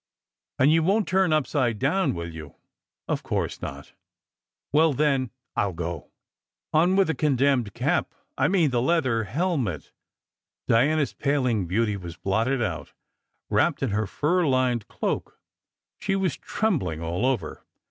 "And you won t turn upside down, will you?" "Of course not!" "Well, then, I I ll go." On with the condemned cap! I mean the leather hel met. Diana s paling beauty was blotted out. Wrapped in her fur lined cloak, she was trembling all over.